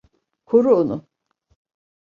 Koru onu.